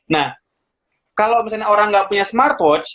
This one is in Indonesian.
nah kalau misalnya orang nggak punya smartwatch